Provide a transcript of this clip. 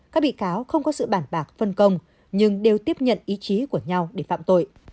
các bị cáo không có sự bản bạc phân công nhưng đều tiếp nhận ý chí của nhau để phạm tội